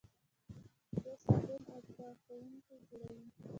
دوی صابون او پاکوونکي جوړوي.